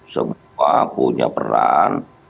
semua punya peran